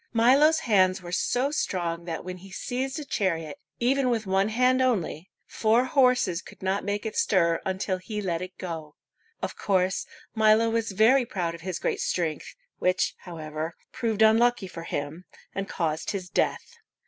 Milo's hands were so strong that when he seized a chariot, even with one hand only, four horses could not make it stir until he let it go. Of course, Milo was very proud of his great strength, which, however, proved unlucky for him, and caused his death.